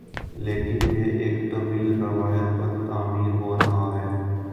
لیکن یہ ایک طویل روایت پر تعمیر ہو رہا ہے